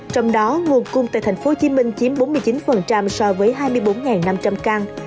trong đó nguồn cung tại tp hcm chiếm bốn mươi chín so với hai mươi bốn năm trăm linh căn